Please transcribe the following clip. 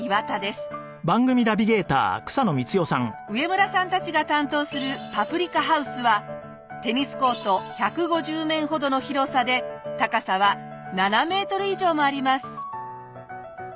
上村さんたちが担当するパプリカハウスはテニスコート１５０面ほどの広さで高さは７メートル以上もあります。